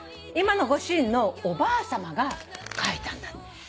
今のご主人のおばあさまが書いたんだって。